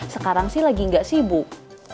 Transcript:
sekarang sih lagi nggak sibuk